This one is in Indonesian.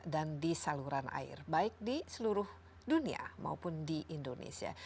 dan di saluran air baik di seluruh dunia maupun di indonesia